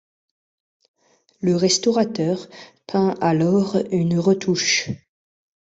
Le restaurateur peint alors une retouche.